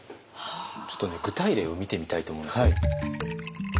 ちょっとね具体例を見てみたいと思うんですけど。